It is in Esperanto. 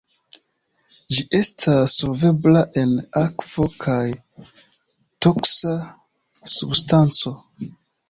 Ĝi estas solvebla en akvo kaj toksa substanco.